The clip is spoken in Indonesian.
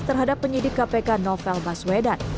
terhadap penyidik kpk novel baswedan